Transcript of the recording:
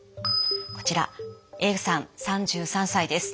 こちらＡさん３３歳です。